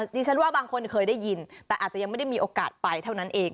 ดิฉันว่าบางคนเคยได้ยินแต่อาจจะยังไม่ได้มีโอกาสไปเท่านั้นเอง